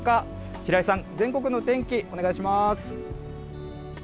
平井さん、全国の天気、お願いします。